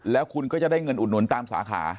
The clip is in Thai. แล้วคุณก็จะได้เงินอุดหนุนตามสาขา